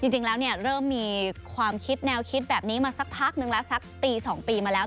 จริงแล้วเริ่มมีความคิดแนวคิดแบบนี้มาสักพักนึงแล้วสักปี๒ปีมาแล้ว